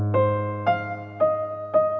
cô chết quá